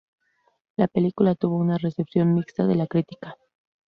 La película tuvo una recepción mixta de la crítica.